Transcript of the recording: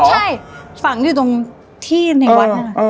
ใช่ฝังอยู่ตรงที่ในวัน